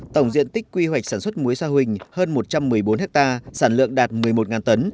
tổng diện tích quy hoạch sản xuất muối sa huỳnh hơn một trăm một mươi bốn ha sản lượng đạt một mươi một tấn